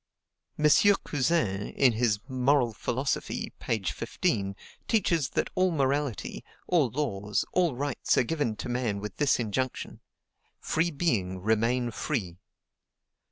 M. Cousin, in his "Moral Philosophy," page 15, teaches that all morality, all laws, all rights are given to man with this injunction: "FREE BEING, REMAIN FREE."